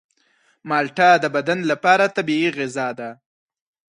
مالټه د بدن لپاره طبیعي غذا ده.